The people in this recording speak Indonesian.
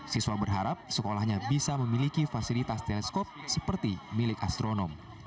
siswa berharap sekolahnya bisa memiliki fasilitas teleskop seperti milik astronom